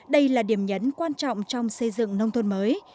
đây là điểm nhấn quan trọng trong xây dựng nông thôn mới